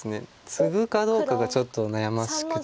ツグかどうかがちょっと悩ましくて。